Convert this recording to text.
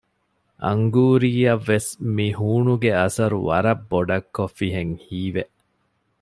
އަންގޫރީއަށް ވެސް މިހޫނުގެ އަސަރު ވަރަށް ބޮޑަށް ކޮށްފިހެން ހީވެ